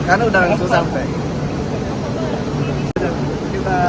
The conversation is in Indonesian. karena sudah langsung sampai